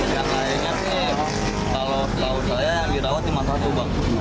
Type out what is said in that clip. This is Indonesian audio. yang lainnya kalau selalu saya yang dirawat cuma satu obat